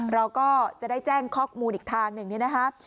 เราก็จะได้แจ้งข้อมูลอีกทางอย่างนี้นะครับ